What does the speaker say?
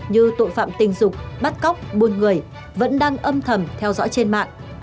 như tội phạm tình dục bắt cóc buôn người vẫn đang âm thầm theo dõi trên mạng